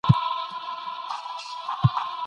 د طلاق کچه د پرمختللو هیوادونو کي لوړه ده.